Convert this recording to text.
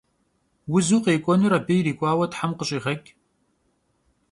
Vuzu khek'uenur abı yirik'uaue them khış'iğeç'!